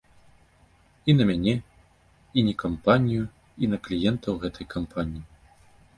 І на мяне, і не кампанію, і на кліентаў гэтай кампаніі.